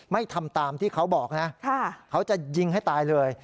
ไม่ทำตามที่เขาบอกนะเขาจะยิงให้ตายเลย